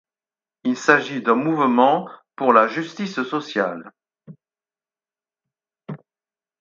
Il s’agit d’un mouvement pour la justice sociale.